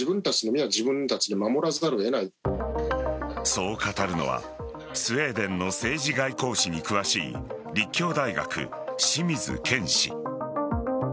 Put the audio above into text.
そう語るのはスウェーデンの政治外交史に詳しい立教大学、清水謙氏。